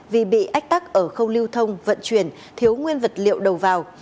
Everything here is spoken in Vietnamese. vì bị ách tắc ở khâu lưu thông vận chuyển thiếu nguyên vật liệu đầu vào